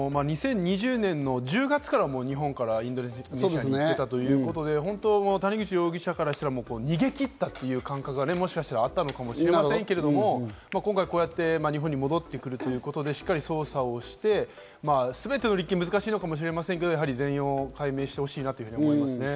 ２０２０年の１０月から、日本からインドネシアに行っていたということで、谷口容疑者からしたら、逃げきったという感覚がもしかしたらあったのかもしれませんけど、今回、日本に戻ってくるということで、しっかり捜査して、すべての立件は難しいかもしれませんが、全容を解明してほしいなと思いますね。